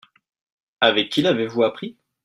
Avec qui l'avez-vous appris ?